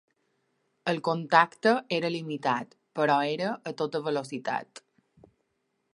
El contacte era limitat, però era a tota velocitat.